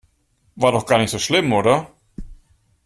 War doch gar nicht so schlimm, oder?